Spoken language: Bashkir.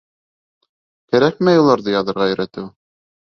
Кәрәкмәй уларҙы яҙырға өйрәтеү.